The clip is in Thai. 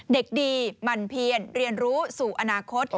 เด็กดีหมั่นเพียนเรียนรู้สู่อนาคต